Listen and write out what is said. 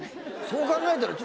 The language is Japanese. そう考えたら。